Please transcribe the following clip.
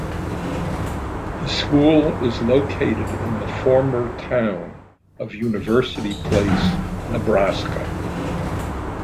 The school is located in the former town of University Place, Nebraska.